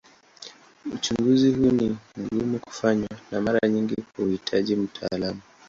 Uchunguzi huu ni mgumu kufanywa na mara nyingi huhitaji mtaalamu.